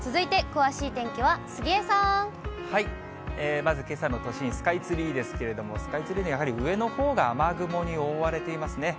まずけさの都心、スカイツリーですけれども、スカイツリーのやはり上のほうが雨雲に覆われていますね。